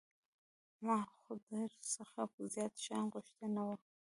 ما خو در څخه زيات شيان غوښتي نه وو.